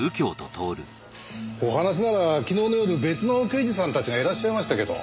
お話なら昨日の夜別の刑事さんたちがいらっしゃいましたけど。